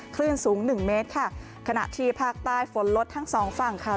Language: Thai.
คลื่นสูงหนึ่งเมตรค่ะขณะที่ภาคใต้ฝนลดทั้งสองฝั่งค่ะ